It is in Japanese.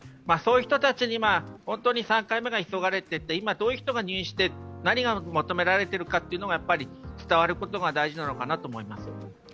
そういう人たちに３回目が急がれていて、今、どういう人が入院していて、何が求められているか伝わることが大事なのかなと思います。